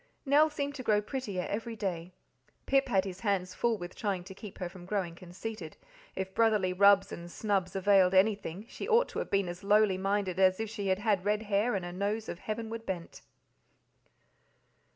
Nell seemed to grow prettier every day. Pip had his hands full with trying to keep her from growing conceited; if brotherly rubs and snubs availed anything, she ought to have been as lowly minded as if she had had red hair and a nose of heavenward bent.